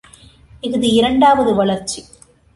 இஃது இரண்டாவது வளர்ச்சி.